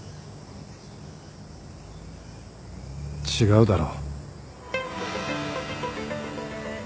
違うだろ。